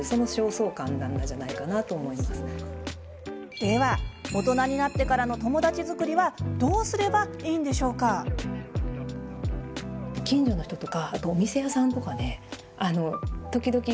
では、大人になってからの友達作りはどうすればいいんでしょうか？